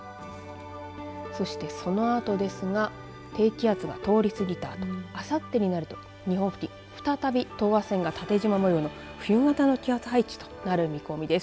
そして、そのあとですが低気圧が通り過ぎたあとあさってになると日本付近再び等圧線が縦じまの冬型の気圧配置となる見込みです。